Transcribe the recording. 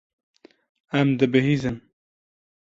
Em dibihîzin.